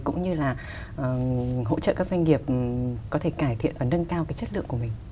cũng như là hỗ trợ các doanh nghiệp có thể cải thiện và nâng cao cái chất lượng của mình